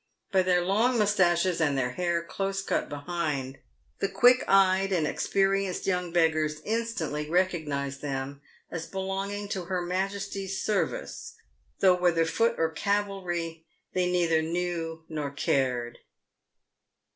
By their long moustaches and the hair close cut behind, the quick eyed and experienced young beggars instantly recognised them as belonging to her Majesty's Service, though whether foot or cavalry they neither knew nor cared.